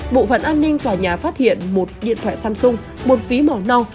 bộ phận an ninh tòa nhà phát hiện một điện thoại samsung một phí màu nâu